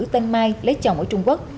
tên mai lấy chồng ở trung quốc